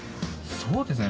そうですね